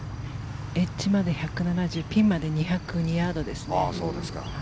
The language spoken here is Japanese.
エッジまで１７０ピンまで２０２ヤードですね。